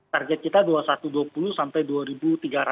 target kita rp dua satu ratus dua puluh sampai rp dua tiga ratus